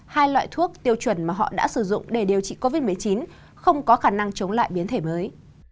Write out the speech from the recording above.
hai loại thuốc tiêu chuẩn mà họ đã sử dụng để điều trị covid một mươi chín không có khả năng chống lại biến thể mới